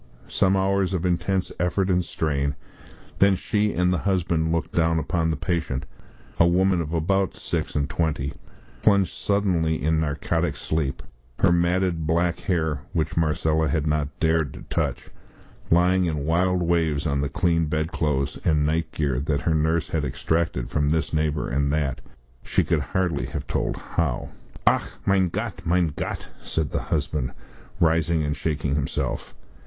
Some hours of intense effort and strain; then she and the husband looked down upon the patient, a woman of about six and twenty, plunged suddenly in narcotic sleep, her matted black hair, which Marcella had not dared to touch, lying in wild waves on the clean bed clothes and night gear that her nurse had extracted from this neighbour and that she could hardly have told how. "Ach, mein Gott, mein Gott!" said the husband, rising and shaking himself.